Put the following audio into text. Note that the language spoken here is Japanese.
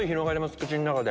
口の中で。